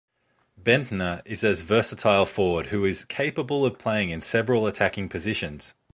Bendtner is as versatile forward who is capable of playing in several attacking positions.